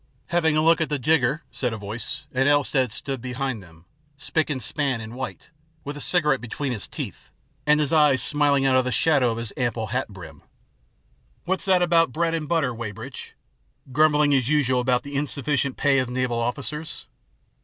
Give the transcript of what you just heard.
" Having a look at the jigger ?" said a voice, and Elstead stood behind them, spick and span in white, with a cigarette between his teeth, and his eyes smiling out of the shadow of his ample hat brim. " What's that about bread and butter, Weybridge ? Grumbling as usual about the insuffi cient pay of naval officers?